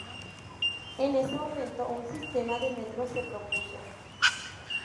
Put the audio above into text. En ese momento, un sistema de metro se propuso.